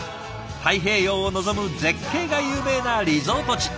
太平洋を望む絶景が有名なリゾート地。